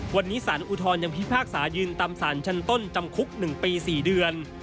วันนี้สารอุทธรณ์ยังพิพากษายืนตามสารชั้นต้นจำคุก๑ปี๔เดือน